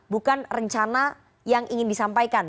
bukan rencana yang ingin disampaikan